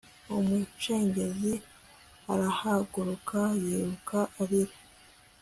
Umucengezi arahaguruka yiruka arira